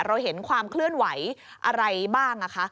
เราเห็นความเคลื่อนไหวอะไรบ้าง